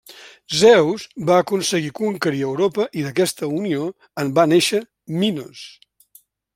Zeus va aconseguir conquerir Europa i d'aquesta unió en va néixer Minos.